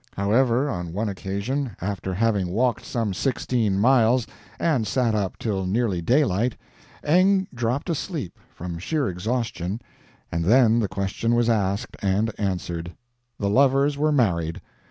However, on one occasion, after having walked some sixteen miles, and sat up till nearly daylight, Eng dropped asleep, from sheer exhaustion, and then the question was asked and answered. The lovers were married.